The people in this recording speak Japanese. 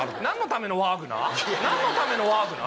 何のためのワーグナー？